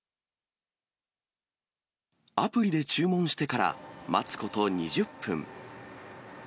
アプリで注文してから、待つこと２０分。